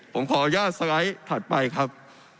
ผมขอย่าสไลด์ถัดไปครับ